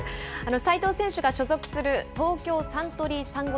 齋藤選手が所属する東京サントリーサンゴ